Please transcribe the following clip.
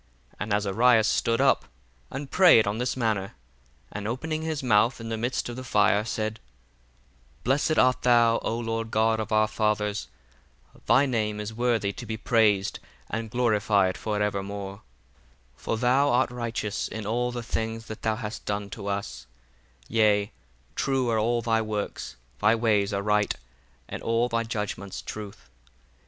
2 Then Azarias stood up, and prayed on this manner; and opening his mouth in the midst of the fire said, 3 Blessed art thou, O Lord God of our fathers: thy name is worthy to be praised and glorified for evermore: 4 For thou art righteous in all the things that thou hast done to us: yea, true are all thy works, thy ways are right, and all thy judgments truth.